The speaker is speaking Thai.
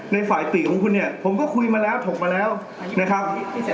ในฝ่ายติของคุณเนี่ยผมก็คุยมาแล้วถกมาแล้วนะครับ